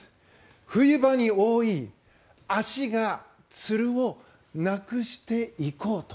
冬場に多い足がつるをなくしていこうと。